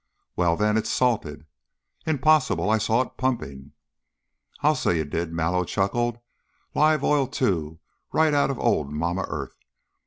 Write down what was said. "Well, then, it's salted!" "Impossible! I saw it pumping." "I'll say you did." Mallow chuckled. "Live oil, too; right out of old Mamma Earth.